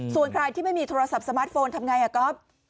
ส่วนใครที่ไม่มีโทรศัพท์สมาร์ทโฟนทำไงก๊อฟ